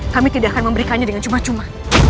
kami tidak akan memberikannya dengan cuma cuma